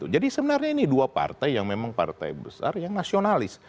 jadi sebenarnya ini dua partai yang memang partai besar yang nasionalis